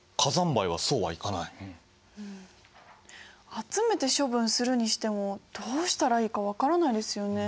集めて処分するにしてもどうしたらいいか分からないですよね。